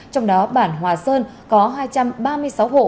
trong đó bản hòa sơn có hai trăm ba mươi sáu hộ